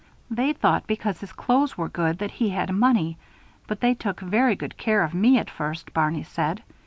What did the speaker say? They thought, because his clothes were good, that he had money. But they took very good care of me at first, Barney said.